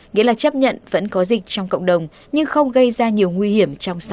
nghĩa là chấp nhận vẫn có dịch trong cộng đồng nhưng không gây ra nhiều nguy hiểm trong xã hội